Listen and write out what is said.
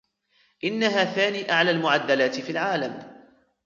إنها ثاني أعلى المُعدَلات في العالم.